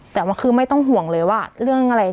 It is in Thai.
แต่ว่าคือไม่ต้องห่วงเลยว่าเรื่องอะไร